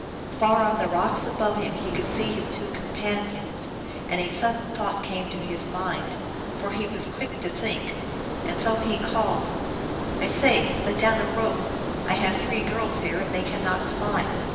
Far on the rocks above him he could see his two companions, and a sudden thought came to his mind, for he was quick to think; and so he called, "I say, let down a rope ; I have three girls here, and they cannot climb."